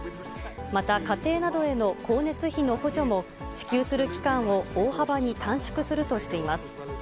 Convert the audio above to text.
また、家庭などへの光熱費の補助も支給する期間を大幅に短縮するとしています。